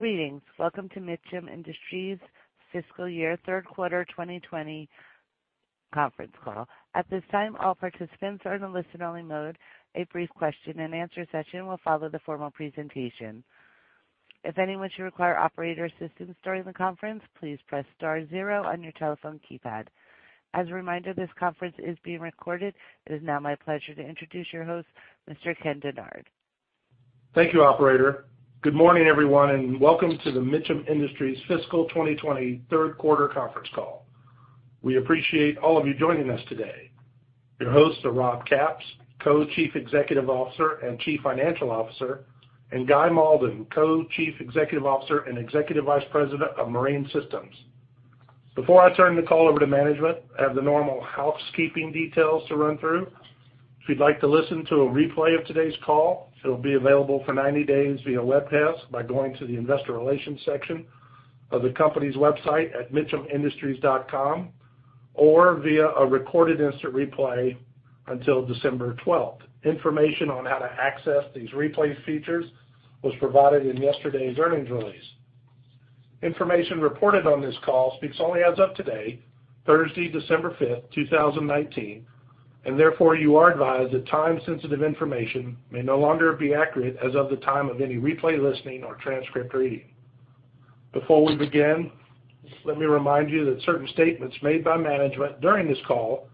Greetings. Welcome to Mitcham Industries' fiscal year third quarter 2020 conference call. At this time, all participants are in listen-only mode. A brief question and answer session will follow the formal presentation. If anyone should require operator assistance during the conference, please press star zero on your telephone keypad. As a reminder, this conference is being recorded. It is now my pleasure to introduce your host, Mr. Ken Dennard. Thank you, operator. Good morning, everyone, and welcome to the Mitcham Industries fiscal 2020 third quarter conference call. We appreciate all of you joining us today. Your hosts are Rob Capps, Co-Chief Executive Officer and Chief Financial Officer, and Guy Malden, Co-Chief Executive Officer and Executive Vice President of Marine Systems. Before I turn the call over to management, I have the normal housekeeping details to run through. If you'd like to listen to a replay of today's call, it'll be available for 90 days via webcast by going to the investor relations section of the company's website at mitchamindustries.com or via a recorded instant replay until December 12th. Information on how to access these replay features was provided in yesterday's earnings release. Information reported on this call speaks only as of today, Thursday, December 5th, 2019, and therefore, you are advised that time sensitive information may no longer be accurate as of the time of any replay listening or transcript reading. Before we begin, let me remind you that certain statements made by management during this call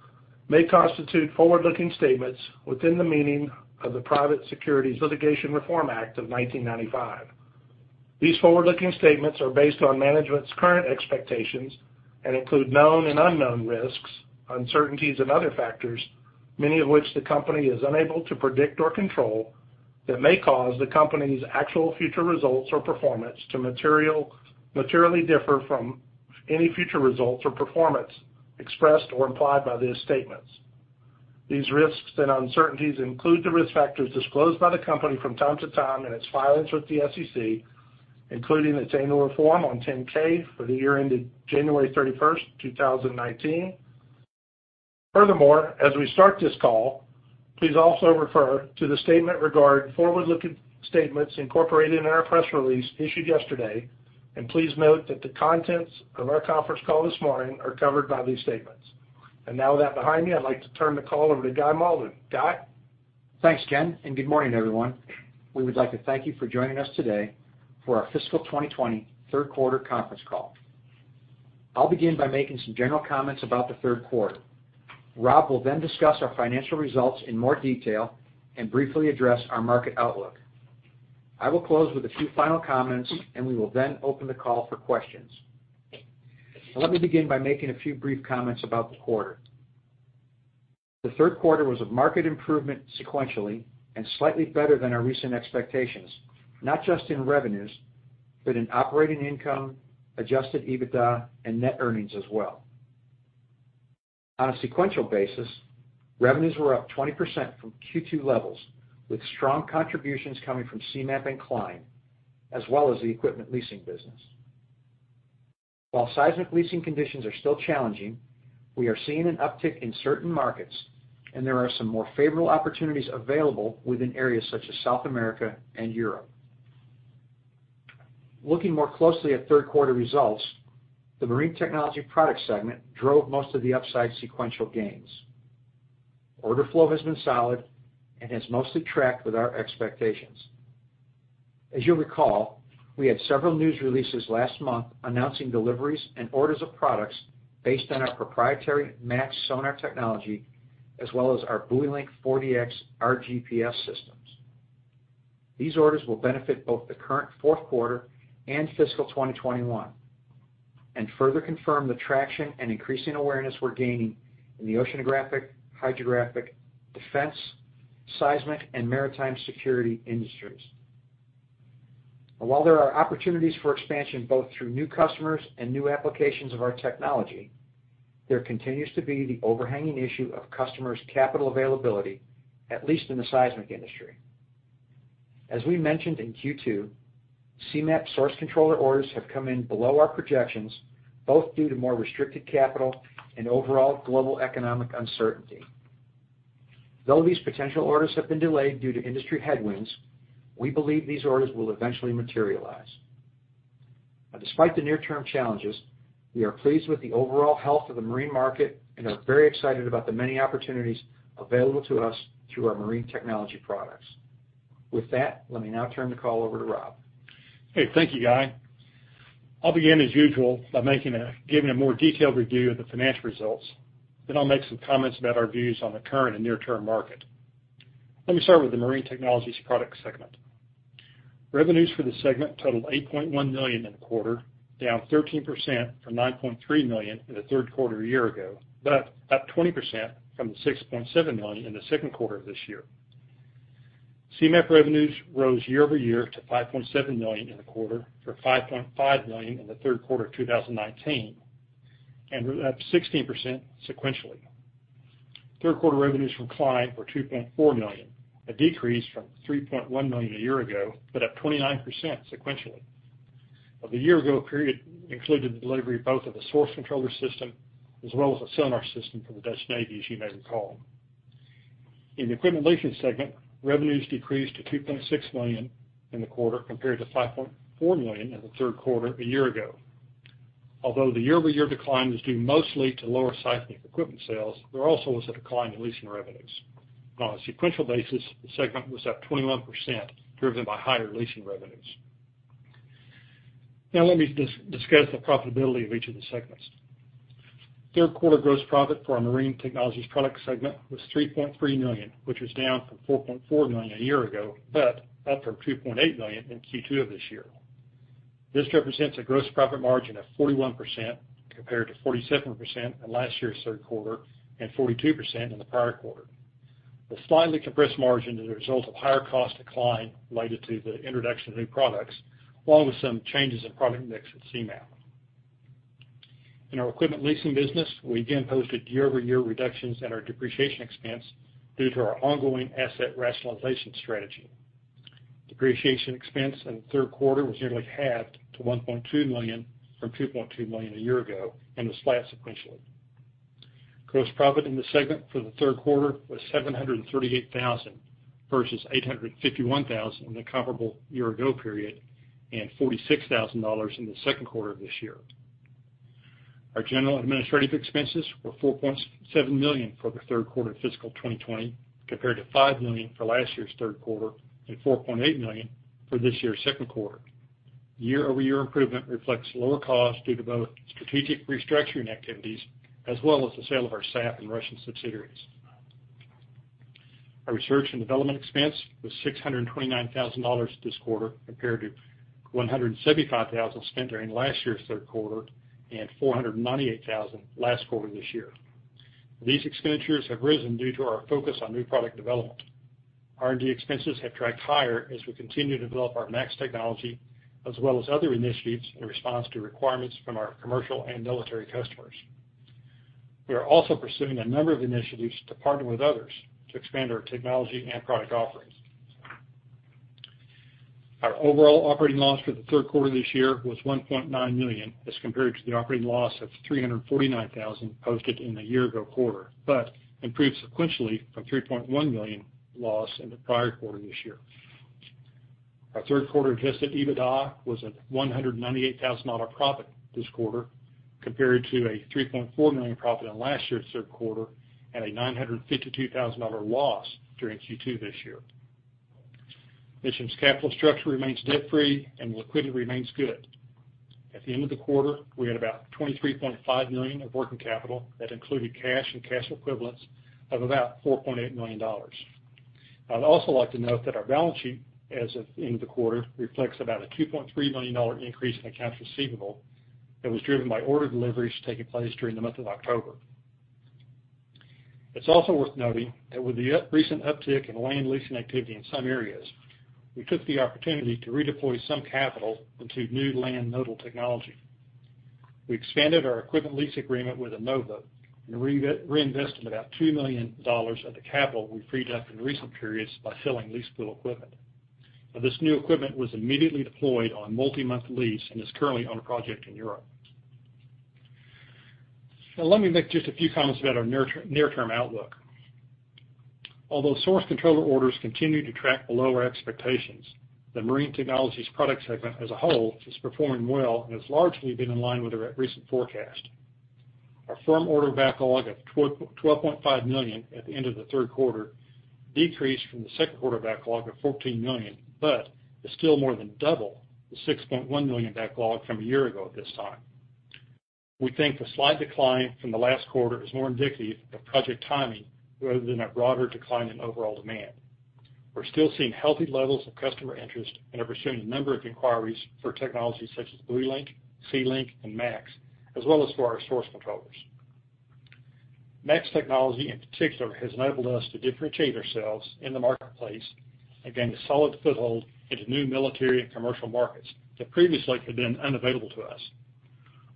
may constitute forward-looking statements within the meaning of the Private Securities Litigation Reform Act of 1995. These forward-looking statements are based on management's current expectations and include known and unknown risks, uncertainties and other factors, many of which the company is unable to predict or control, that may cause the company's actual future results or performance to materially differ from any future results or performance expressed or implied by these statements. These risks and uncertainties include the risk factors disclosed by the company from time to time in its filings with the SEC, including its annual form on 10-K for the year ended January 31st, 2019. Furthermore, as we start this call, please also refer to the statement regarding forward-looking statements incorporated in our press release issued yesterday, and please note that the contents of our conference call this morning are covered by these statements. Now with that behind me, I'd like to turn the call over to Guy Malden. Guy? Thanks, Ken, and good morning, everyone. We would like to thank you for joining us today for our fiscal 2020 third quarter conference call. I'll begin by making some general comments about the third quarter. Rob will then discuss our financial results in more detail and briefly address our market outlook. I will close with a few final comments, and we will then open the call for questions. Let me begin by making a few brief comments about the quarter. The third quarter was of market improvement sequentially and slightly better than our recent expectations, not just in revenues, but in operating income, adjusted EBITDA, and net earnings as well. On a sequential basis, revenues were up 20% from Q2 levels, with strong contributions coming from Seamap and Klein, as well as the equipment leasing business. While seismic leasing conditions are still challenging, we are seeing an uptick in certain markets, and there are some more favorable opportunities available within areas such as South America and Europe. Looking more closely at third quarter results, the Marine Technology Products segment drove most of the upside sequential gains. Order flow has been solid and has mostly tracked with our expectations. As you'll recall, we had several news releases last month announcing deliveries and orders of products based on our proprietary MA-X sonar technology, as well as our BuoyLink 4DX RGPS systems. These orders will benefit both the current fourth quarter and fiscal 2021, and further confirm the traction and increasing awareness we're gaining in the oceanographic, hydrographic, defense, seismic, and maritime security industries. While there are opportunities for expansion, both through new customers and new applications of our technology, there continues to be the overhanging issue of customers' capital availability, at least in the seismic industry. As we mentioned in Q2, Seamap Source Controller orders have come in below our projections, both due to more restricted capital and overall global economic uncertainty. Though these potential orders have been delayed due to industry headwinds, we believe these orders will eventually materialize. Despite the near-term challenges, we are pleased with the overall health of the marine market and are very excited about the many opportunities available to us through our Marine Technology Products. With that, let me now turn the call over to Rob. Hey, thank you, Guy. I'll begin as usual by giving a more detailed review of the financial results. I'll make some comments about our views on the current and near-term market. Let me start with the Marine Technology Products segment. Revenues for the segment totaled $8.1 million in the quarter, down 13% from $9.3 million in the third quarter a year ago, but up 20% from the $6.7 million in the second quarter of this year. Seamap revenues rose year over year to $5.7 million in the quarter from $5.5 million in the third quarter of 2019, and were up 16% sequentially. Third quarter revenues from Klein were $2.4 million, a decrease from $3.1 million a year ago, but up 29% sequentially. The year ago period included the delivery both of a Source Controller system as well as a sonar system for the Dutch Navy, as you may recall. In the equipment leasing segment, revenues decreased to $2.6 million in the quarter compared to $5.4 million in the third quarter a year ago. Although the year-over-year decline was due mostly to lower seismic equipment sales, there also was a decline in leasing revenues. On a sequential basis, the segment was up 21%, driven by higher leasing revenues. Now let me discuss the profitability of each of the segments. Third quarter gross profit for our Marine Technology Products segment was $3.3 million, which was down from $4.4 million a year ago, but up from $2.8 million in Q2 of this year. This represents a gross profit margin of 41% compared to 47% in last year's third quarter and 42% in the prior quarter. The slightly compressed margin is a result of higher cost Klein related to the introduction of new products, along with some changes in product mix at Seamap. In our equipment leasing business, we again posted year-over-year reductions in our depreciation expense due to our ongoing asset rationalization strategy. Depreciation expense in the third quarter was nearly halved to $1.2 million from $2.2 million a year ago and was flat sequentially. Gross profit in the segment for the third quarter was $738,000 versus $851,000 in the comparable year-ago period, and $46,000 in the second quarter of this year. Our general administrative expenses were $4.7 million for the third quarter of fiscal 2020 compared to $5 million for last year's third quarter and $4.8 million for this year's second quarter. Year-over-year improvement reflects lower costs due to both strategic restructuring activities as well as the sale of our SAP and Russian subsidiaries. Our research and development expense was $629,000 this quarter, compared to $175,000 spent during last year's third quarter and $498,000 last quarter this year. These expenditures have risen due to our focus on new product development. R&D expenses have tracked higher as we continue to develop our MA-X technology, as well as other initiatives in response to requirements from our commercial and military customers. We are also pursuing a number of initiatives to partner with others to expand our technology and product offerings. Our overall operating loss for the third quarter this year was $1.9 million as compared to the operating loss of $349,000 posted in the year-ago quarter, improved sequentially from a $3.1 million loss in the prior quarter this year. Our third quarter adjusted EBITDA was a $198,000 profit this quarter, compared to a $3.4 million profit in last year's third quarter and a $952,000 loss during Q2 this year. Mitcham's capital structure remains debt-free and liquidity remains good. At the end of the quarter, we had about $23.5 million of working capital that included cash and cash equivalents of about $4.8 million. I'd also like to note that our balance sheet as of the end of the quarter reflects about a $2.3 million increase in accounts receivable that was driven by order deliveries taking place during the month of October. It's also worth noting that with the recent uptick in land leasing activity in some areas, we took the opportunity to redeploy some capital into new land nodal technology. We expanded our equipment lease agreement with INOVA and reinvested about $2 million of the capital we freed up in recent periods by selling lease pool equipment. This new equipment was immediately deployed on a multi-month lease and is currently on a project in Europe. Let me make just a few comments about our near-term outlook. Although Source Controller orders continue to track below our expectations, the Marine Technology Products segment as a whole is performing well and has largely been in line with our recent forecast. Our firm order backlog of $12.5 million at the end of the third quarter decreased from the second quarter backlog of $14 million, but is still more than double the $6.1 million backlog from a year ago at this time. We think the slight decline from the last quarter is more indicative of project timing rather than a broader decline in overall demand. We're still seeing healthy levels of customer interest and are pursuing a number of inquiries for technologies such as BuoyLink, SeaLink, and MA-X, as well as for our Source Controllers. MA-X technology in particular has enabled us to differentiate ourselves in the marketplace and gain a solid foothold into new military and commercial markets that previously had been unavailable to us.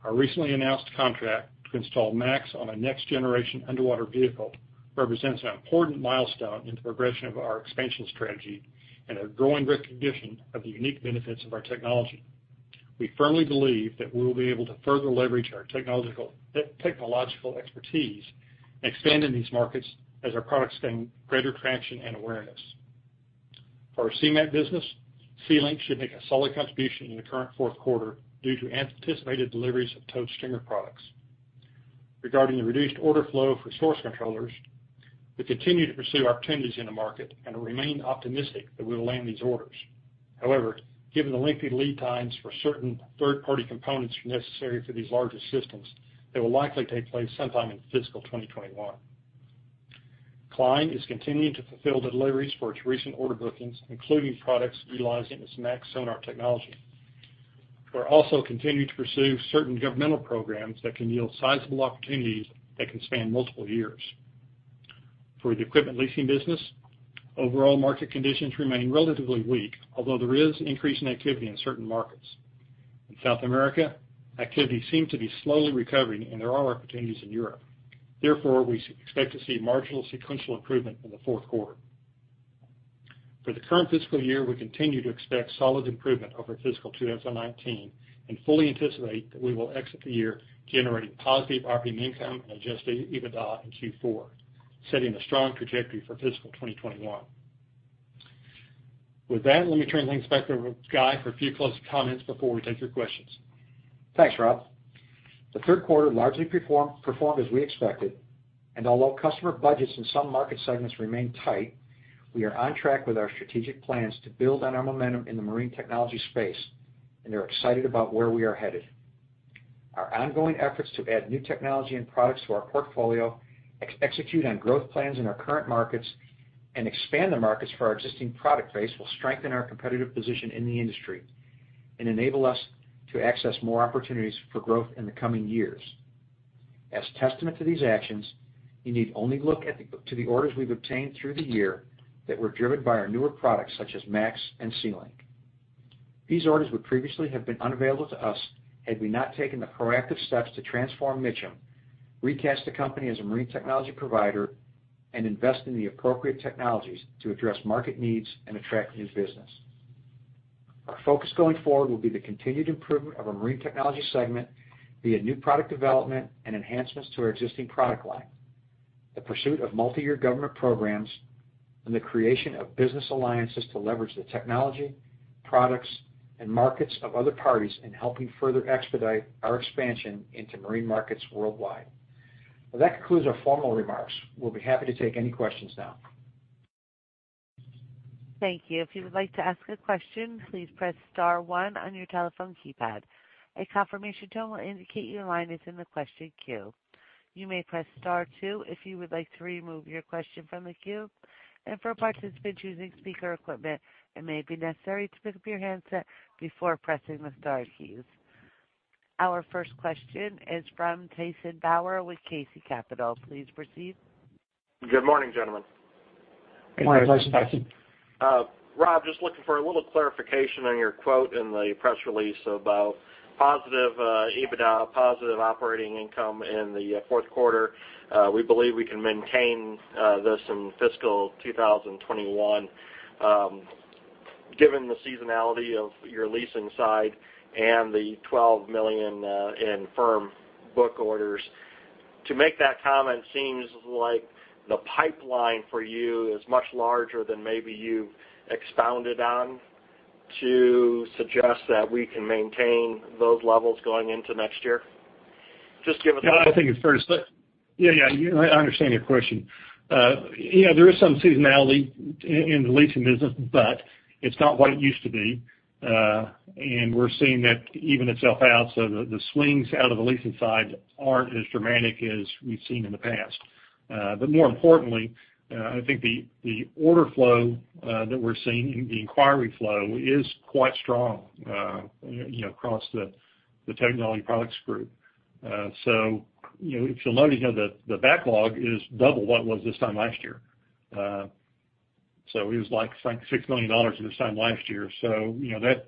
Our recently announced contract to install MA-X on a next-generation underwater vehicle represents an important milestone in the progression of our expansion strategy and a growing recognition of the unique benefits of our technology. We firmly believe that we will be able to further leverage our technological expertise and expand in these markets as our products gain greater traction and awareness. For our Seamap business, SeaLink should make a solid contribution in the current fourth quarter due to anticipated deliveries of towed streamer products. Regarding the reduced order flow for Source Controllers, we continue to pursue opportunities in the market and remain optimistic that we will land these orders. Given the lengthy lead times for certain third-party components necessary for these larger systems, they will likely take place sometime in fiscal 2021. Klein is continuing to fulfill deliveries for its recent order bookings, including products utilizing its MA-X sonar technology. We're also continuing to pursue certain governmental programs that can yield sizable opportunities that can span multiple years. For the equipment leasing business, overall market conditions remain relatively weak, although there is increasing activity in certain markets. In South America, activity seems to be slowly recovering, and there are opportunities in Europe. We expect to see marginal sequential improvement in the fourth quarter. For the current fiscal year, we continue to expect solid improvement over fiscal 2019, and fully anticipate that we will exit the year generating positive operating income and adjusted EBITDA in Q4, setting a strong trajectory for fiscal 2021. With that, let me turn things back over to Guy for a few closing comments before we take your questions. Thanks, Rob. The third quarter largely performed as we expected, although customer budgets in some market segments remain tight, we are on track with our strategic plans to build on our momentum in the marine technology space, and are excited about where we are headed. Our ongoing efforts to add new technology and products to our portfolio, execute on growth plans in our current markets, and expand the markets for our existing product base will strengthen our competitive position in the industry and enable us to access more opportunities for growth in the coming years. As testament to these actions, you need only look to the orders we've obtained through the year that were driven by our newer products, such as MA-X and SeaLink. These orders would previously have been unavailable to us had we not taken the proactive steps to transform Mitcham, recast the company as a Marine Technology Products provider, and invest in the appropriate technologies to address market needs and attract new business. Our focus going forward will be the continued improvement of our Marine Technology Products segment via new product development and enhancements to our existing product line, the pursuit of multi-year government programs, and the creation of business alliances to leverage the technology, products, and markets of other parties in helping further expedite our expansion into marine markets worldwide. Well, that concludes our formal remarks. We'll be happy to take any questions now. Thank you. If you would like to ask a question, please press *1 on your telephone keypad. A confirmation tone will indicate your line is in the question queue. You may press *2 if you would like to remove your question from the queue. For participants using speaker equipment, it may be necessary to pick up your handset before pressing the star keys. Our first question is from Tyson Bauer with KC Capital. Please proceed. Good morning, gentlemen. Good morning, Tyson. Morning, Tyson. Rob, just looking for a little clarification on your quote in the press release about positive EBITDA, positive operating income in the fourth quarter. We believe we can maintain this in fiscal 2021. Given the seasonality of your leasing side and the $12 million in firm book orders, to make that comment seems like the pipeline for you is much larger than maybe you expounded on to suggest that we can maintain those levels going into next year. Just give us a- Yeah, I understand your question. There is some seasonality in the leasing business, but it's not what it used to be. We're seeing that even itself out, so the swings out of the leasing side aren't as dramatic as we've seen in the past. More importantly, I think the order flow that we're seeing, the inquiry flow, is quite strong across the Marine Technology Products group. If you'll notice, the backlog is double what it was this time last year. It was like $6 million this time last year. That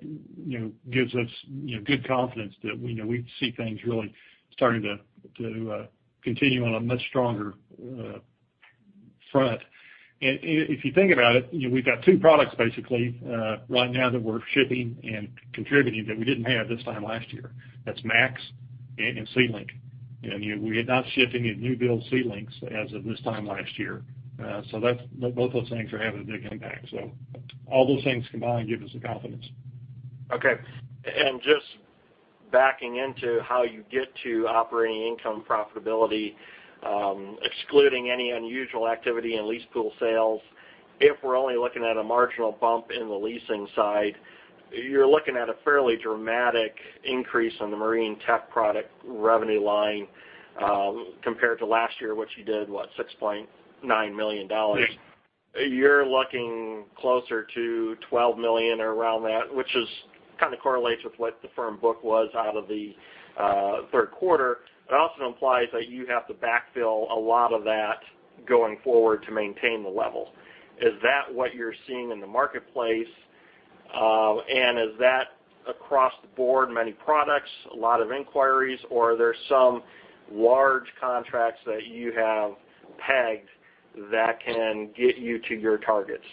gives us good confidence that we see things really starting to continue on a much stronger front. If you think about it, we've got two products basically right now that we're shipping and contributing that we didn't have this time last year. That's MA-X and SeaLink. We had not shipped any new build SeaLinks as of this time last year. Both those things are having a big impact. All those things combined give us the confidence. Okay. Just backing into how you get to operating income profitability, excluding any unusual activity in lease pool sales, if we're only looking at a marginal bump in the leasing side, you're looking at a fairly dramatic increase on the Marine Technology Products revenue line compared to last year, which you did, what, $6.9 million? Yeah. You're looking closer to $12 million or around that, which kind of correlates with what the firm book was out of the third quarter. It also implies that you have to backfill a lot of that going forward to maintain the level. Is that what you're seeing in the marketplace? Is that across the board, many products, a lot of inquiries, or are there some large contracts that you have pegged that can get you to your targets?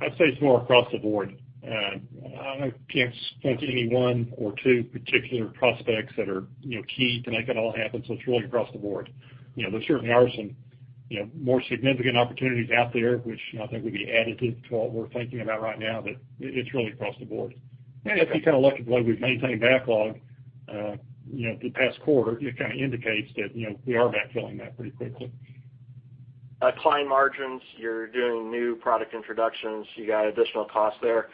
I'd say it's more across the board. I can't point to any one or two particular prospects that are key to make it all happen, so it's really across the board. There certainly are some more significant opportunities out there, which I think would be additive to what we're thinking about right now. It's really across the board. If you look at the way we've maintained backlog the past quarter, it kind of indicates that we are backfilling that pretty quickly. Client margins, you're doing new product introductions, you got additional costs there.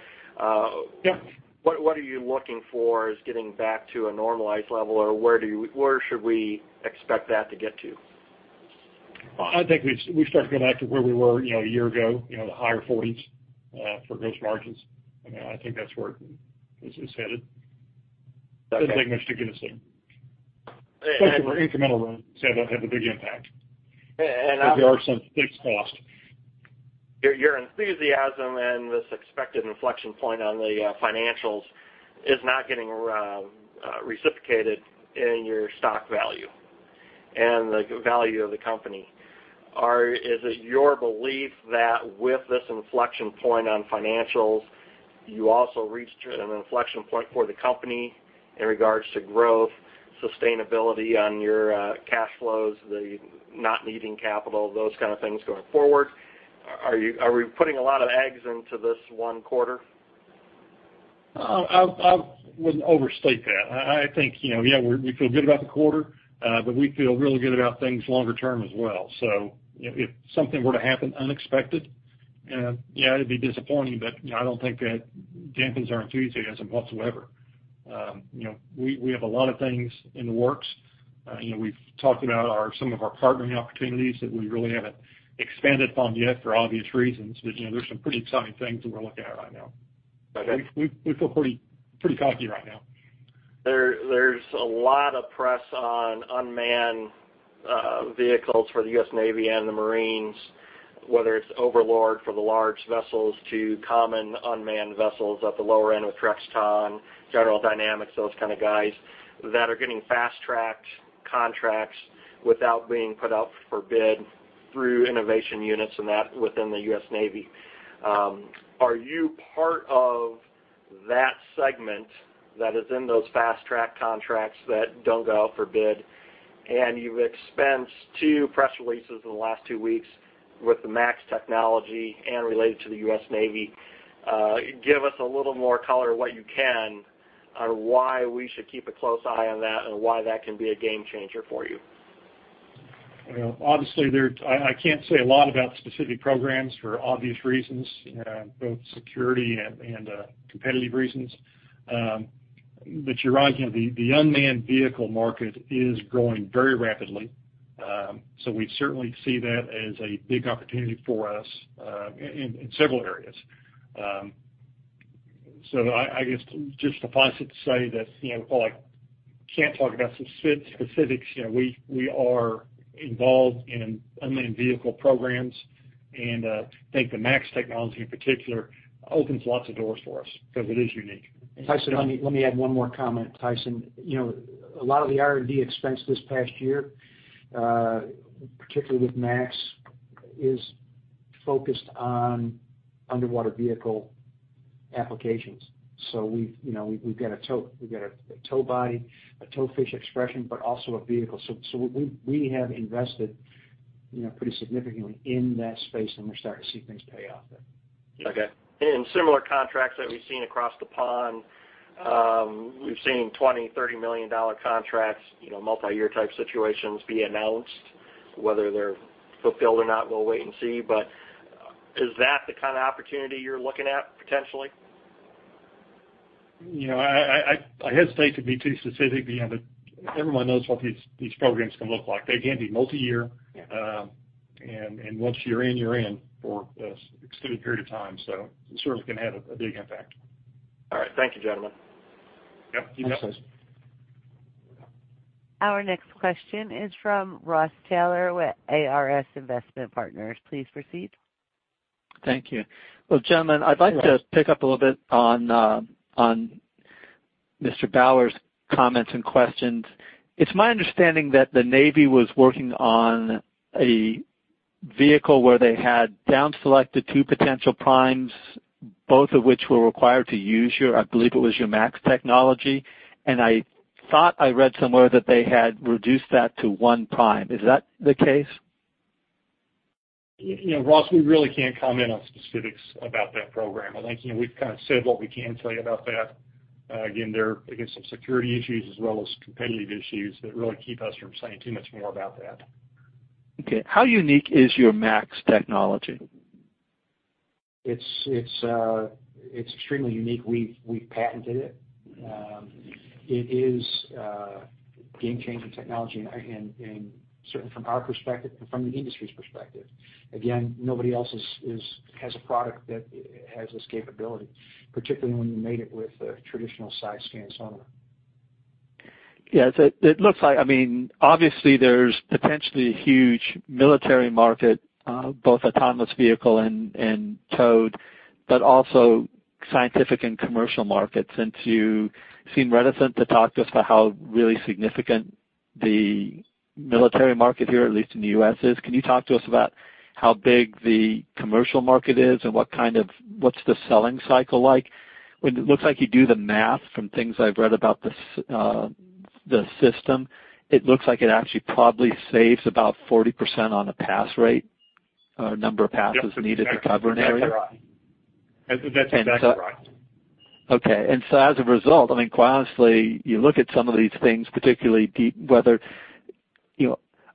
Yeah. What are you looking for as getting back to a normalized level? Or where should we expect that to get to? Well, I think we start to get back to where we were a year ago, the higher 40s for gross margins. I think that's where this is headed. Okay. Doesn't take much to get us there. Especially for incremental runs have a big impact because there are some fixed costs. Your enthusiasm and this expected inflection point on the financials is not getting reciprocated in your stock value and the value of the company. Is it your belief that with this inflection point on financials, you also reached an inflection point for the company in regards to growth, sustainability on your cash flows, the not needing capital, those kind of things going forward? Are we putting a lot of eggs into this one quarter? I wouldn't overstate that. I think, yeah, we feel good about the quarter, but we feel really good about things longer term as well. If something were to happen unexpected, yeah, it'd be disappointing, but I don't think that dampens our enthusiasm whatsoever. We have a lot of things in the works. We've talked about some of our partnering opportunities that we really haven't expanded upon yet for obvious reasons, but there's some pretty exciting things that we're looking at right now. Okay. We feel pretty cocky right now. There's a lot of press on unmanned vehicles for the U.S. Navy and the Marines, whether it's Overlord for the large vessels to common unmanned vessels at the lower end with Textron, General Dynamics, those kind of guys, that are getting fast-tracked contracts without being put out for bid through innovation units and that within the U.S. Navy. Are you part of that segment that is in those fast-track contracts that don't go out for bid? You've expensed two press releases in the last two weeks with the MA-X technology and related to the U.S. Navy. Give us a little more color, what you can, on why we should keep a close eye on that, and why that can be a game changer for you. Obviously, I can't say a lot about specific programs for obvious reasons, both security and competitive reasons. You're right. The unmanned vehicle market is growing very rapidly. We certainly see that as a big opportunity for us in several areas. I guess just to posit to say that, while I can't talk about specifics, we are involved in unmanned vehicle programs. I think the MA-X technology, in particular, opens lots of doors for us because it is unique. Tyson, let me add one more comment. A lot of the R&D expense this past year, particularly with MA-X, is focused on underwater vehicle applications. We've got a tow body, a towfish expression, but also a vehicle. We have invested pretty significantly in that space, and we're starting to see things pay off there. Okay. In similar contracts that we've seen across the pond, we've seen $20 million, $30 million contracts, multi-year type situations be announced. Whether they're fulfilled or not, we'll wait and see. Is that the kind of opportunity you're looking at potentially? I hesitate to be too specific. Everyone knows what these programs can look like. They can be multi-year. Yeah. Once you're in, you're in for an extended period of time. It certainly can have a big impact. All right. Thank you, gentlemen. Yep, you bet. Thanks, Tyson. Our next question is from Ross Taylor with ARS Investment Partners. Please proceed. Thank you. Well, gentlemen, I'd like to pick up a little bit on Mr. Bauer's comments and questions. It's my understanding that the Navy was working on a vehicle where they had down selected two potential primes, both of which were required to use your, I believe it was your MA-X technology, and I thought I read somewhere that they had reduced that to one prime. Is that the case? Ross, we really can't comment on specifics about that program. I think we've kind of said what we can tell you about that. Again, there are some security issues as well as competitive issues that really keep us from saying too much more about that. Okay. How unique is your MA-X technology? It's extremely unique. We've patented it. It is a game-changing technology, certainly from our perspective and from the industry's perspective. Again, nobody else has a product that has this capability, particularly when you mate it with a traditional side scan sonar. Yeah. Obviously, there's potentially a huge military market, both autonomous vehicle and towed, but also scientific and commercial markets. Since you seem reticent to talk to us about how really significant the military market here, at least in the U.S., is, can you talk to us about how big the commercial market is and what's the selling cycle like? When it looks like you do the math from things I've read about the system, it looks like it actually probably saves about 40% on a pass rate, or number of passes needed to cover an area. That's exactly right. Okay. As a result, honestly, you look at some of these things, particularly deep.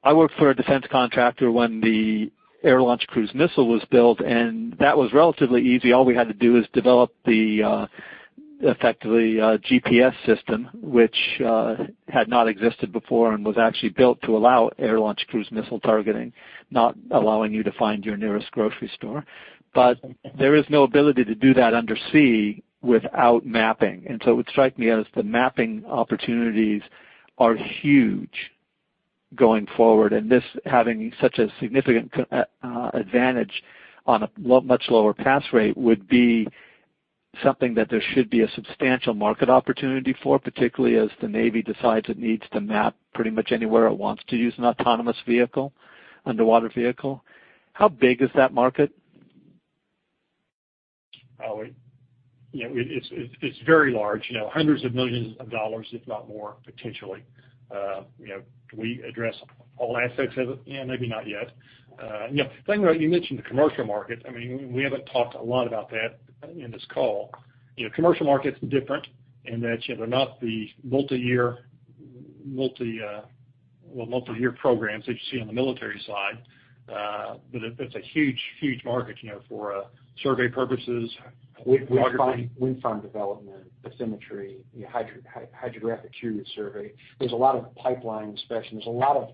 I worked for a defense contractor when the Air-Launched Cruise Missile was built, and that was relatively easy. All we had to do is develop the, effectively, GPS system, which had not existed before and was actually built to allow Air-Launched Cruise Missile targeting, not allowing you to find your nearest grocery store. There is no ability to do that under sea without mapping. It would strike me as the mapping opportunities are huge going forward, and this having such a significant advantage on a much lower pass rate would be something that there should be a substantial market opportunity for, particularly as the Navy decides it needs to map pretty much anywhere it wants to use an autonomous vehicle, underwater vehicle. How big is that market? It's very large. Hundreds of millions of dollars, if not more potentially. Do we address all aspects of it? Maybe not yet. You mentioned the commercial market. We haven't talked a lot about that in this call. Commercial market's different in that they're not the multi-year programs that you see on the military side. It's a huge market for survey purposes. Wind farm development, bathymetry, hydrographic survey. There's a lot of pipeline inspection. There's a lot of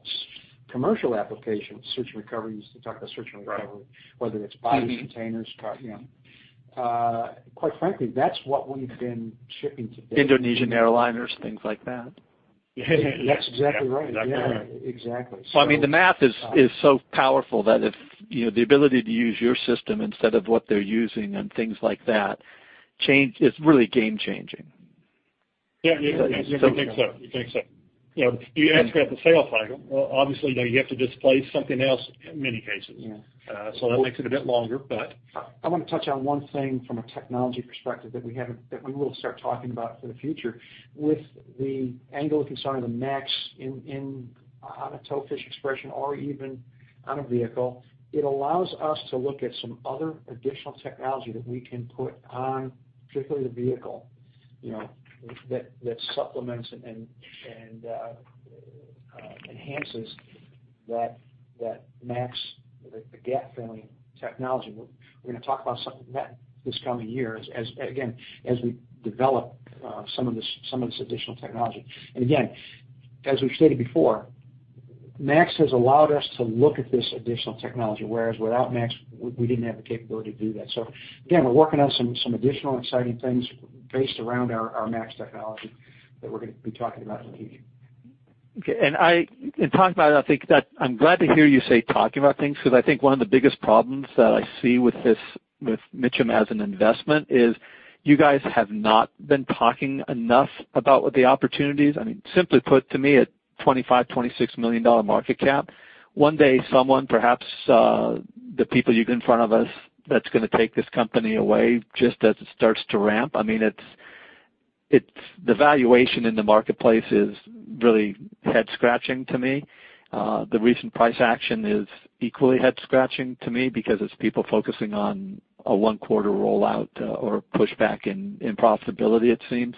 commercial applications, search and recoveries. You talked about search and recovery. Right. Whether it's bodies, containers, quite frankly, that's what we've been shipping today. Indonesian airliners, things like that. That's exactly right. Yeah. Exactly. The math is so powerful that if the ability to use your system instead of what they're using and things like that, it's really game-changing. Yeah. We think so. You asked about the sales cycle. Well, obviously, you have to displace something else in many cases. Yeah. That makes it a bit longer. I want to touch on one thing from a technology perspective that we will start talking about for the future. With the angle of concern of the MA-X on a towfish expression or even on a vehicle, it allows us to look at some other additional technology that we can put on, particularly the vehicle, that supplements and enhances that MA-X, the [GAT family technology]. We're going to talk about some of that this coming year as, again, we develop some of this additional technology. Again, as we've stated before, MA-X has allowed us to look at this additional technology, whereas without MA-X, we didn't have the capability to do that. Again, we're working on some additional exciting things based around our MA-X technology that we're going to be talking about in the future. Okay. Talking about it, I'm glad to hear you say talking about things, because I think one of the biggest problems that I see with Mitcham as an investment is you guys have not been talking enough about what the opportunities. Simply put, to me, a $25 million, $26 million market cap, one day someone, perhaps the people in front of us, that's going to take this company away just as it starts to ramp. The valuation in the marketplace is really head-scratching to me. The recent price action is equally head-scratching to me because it's people focusing on a one-quarter rollout or pushback in profitability, it seems.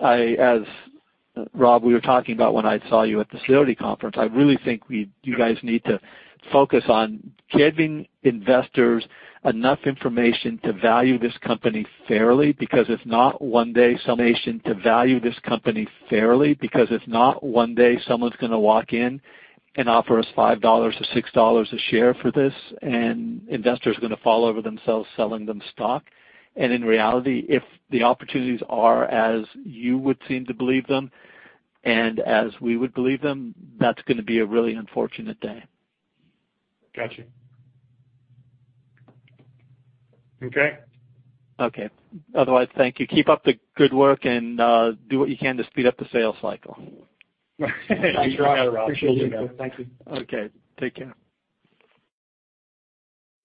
As Rob, we were talking about when I saw you at the CIOT conference, I really think you guys need to focus on giving investors enough information to value this company fairly, because if not, one day, someone's going to walk in and offer us $5 or $6 a share for this, and investors are going to fall over themselves selling them stock. In reality, if the opportunities are as you would seem to believe them, and as we would believe them, that's going to be a really unfortunate day. Got you. Okay. Okay. Otherwise, thank you. Keep up the good work, and do what you can to speed up the sales cycle. Thanks, Ross. Appreciate it. Thank you. Okay. Take care.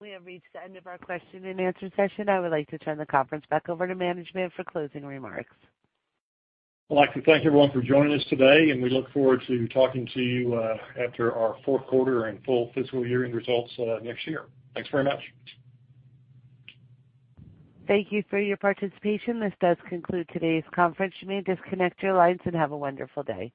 We have reached the end of our question and answer session. I would like to turn the conference back over to management for closing remarks. I'd like to thank everyone for joining us today, and we look forward to talking to you after our fourth quarter and full fiscal year-end results next year. Thanks very much. Thank you for your participation. This does conclude today's conference. You may disconnect your lines, and have a wonderful day.